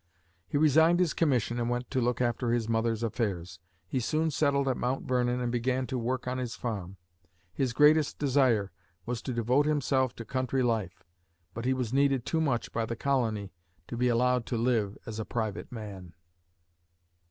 He resigned his commission and went to look after his mother's affairs. He soon settled at Mount Vernon and began work on his farm. His greatest desire was to devote himself to country life, but he was needed too much by the colony to be allowed to live as a private man.